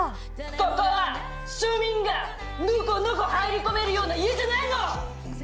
ここは庶民が、のこのこ入り込めるような家じゃないの。